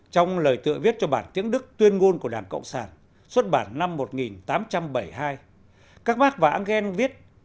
trong lời tự viết cho bản tiếng đức tuyên ngôn của đảng cộng sản xuất bản năm một nghìn tám trăm bảy mươi hai các mark và engel viết